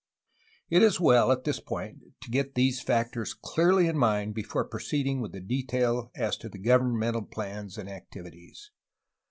It is well at this point to get these factors clearly in mind before proceeding with the detail as to gov ernmental plans and activities.